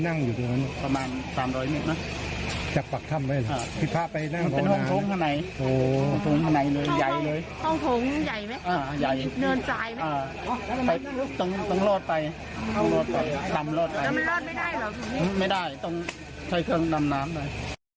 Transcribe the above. แล้วมันรอดไม่ได้เหรอไม่ได้ต้องใช้เครื่องดำน้ำเลย